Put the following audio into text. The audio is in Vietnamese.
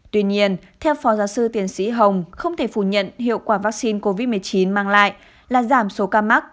tuy nhiên theo phó giáo sư tiến sĩ hồng không thể phủ nhận hiệu quả vaccine covid một mươi chín mang lại là giảm số ca mắc